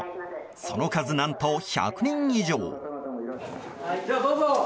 その数、何と１００人以上。